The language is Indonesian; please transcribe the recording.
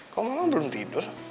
kok mama belum tidur